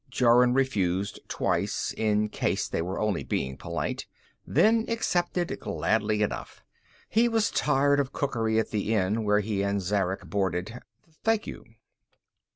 Jorun refused twice, in case they were only being polite, then accepted gladly enough. He was tired of cookery at the inn where he and Zarek boarded. "Thank you."